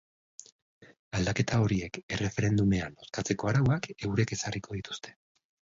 Aldaketa horiek erreferendumean bozkatzeko arauak eurek ezarriko dituzte.